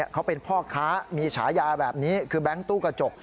เขาเป็นพ่อค้ามีฉายาแบบนี้คือแบงค์ตู้กระจก